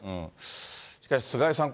しかし、菅井さん